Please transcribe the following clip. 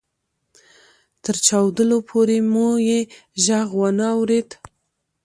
تر چاودلو پورې مو يې ږغ وانه اورېد.